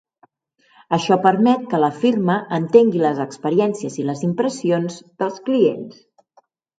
Això permet que la firma entengui les experiències i les impressions dels clients.